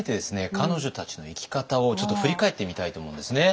彼女たちの生き方を振り返ってみたいと思うんですね。